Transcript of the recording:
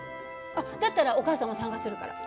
あっだったらお母さんも参加するから。